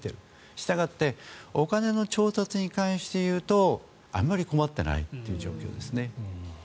したがってお金の調達に関していうとあまり困っていないという状況ですね。